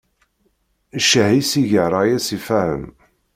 Ccah, i s-iga rray-is i Fahem.